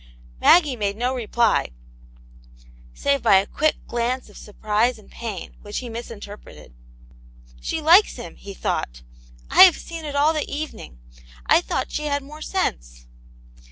Maggie made no reply, save by a quick glance of surprise and pain, which he misinterpreted. "She likes him !" he thought ;" I have seen it all the evening. I thought she had more sense."